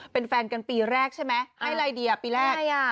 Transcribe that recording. เป็นแฟนกันปีแรกใช่ไหมให้ไลเดียปีแรก